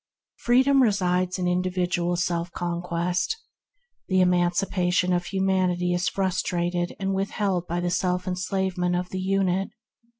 Freedom resides in individual self conquest. The emancipation of Humanity is frus trated and withheld by the self enslavement of the unit.